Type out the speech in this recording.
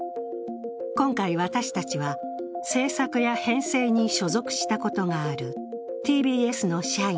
今回、私たちは制作や編成に所属したことがあるＴＢＳの社員